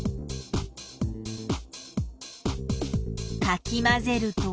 かき混ぜると。